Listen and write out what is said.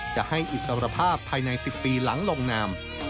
จะให้อิสรภาพภายใน๑๐ปีหลังลงนาม